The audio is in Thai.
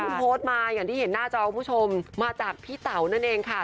โพสต์มาอย่างที่เห็นหน้าจอคุณผู้ชมมาจากพี่เต๋านั่นเองค่ะ